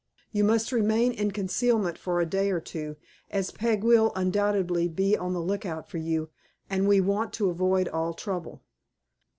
"You must remain in concealment for a day or two, as Peg will, undoubtedly, be on the lookout for you, and we want to avoid all trouble."